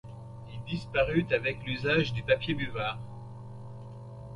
Il disparut avec l'usage du papier buvard.